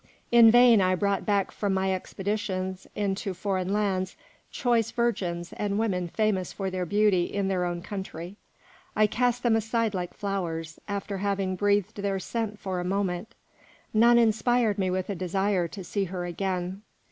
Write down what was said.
In vain I brought back from my expeditions into foreign lands choice virgins and women famous for their beauty in their own country; I cast them aside like flowers, after having breathed their scent for a moment. None inspired me with a desire to see her again.